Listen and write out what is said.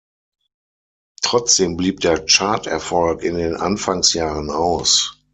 Trotzdem blieb der Charterfolg in den Anfangsjahren aus.